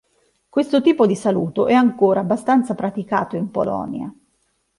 Questo tipo di saluto è ancora abbastanza praticato in Polonia.